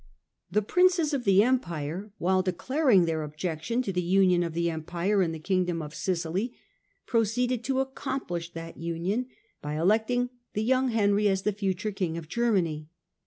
The Princes of the Empire, while de claring their objection to the union of the Empire and the Kingdom of Sicily, proceeded to accomplish that union by electing the young Henry as the future King of Germany.